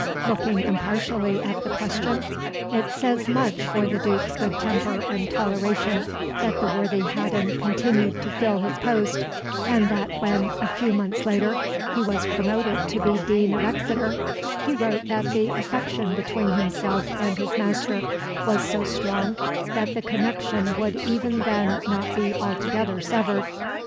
Looking impartially at the question, it says much for the Duke's good temper and toleration that the worthy Haddon continued to fill his post, and that when, a few months later, he was promoted to be Dean of Exeter, he wrote that the affection between himself and his master was so strong that the connection would even then not be altogether severed.